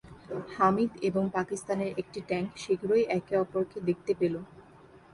হামিদ এবং পাকিস্তানের একটি ট্যাঙ্ক শীঘ্রই একে অপরকে দেখতে পেল।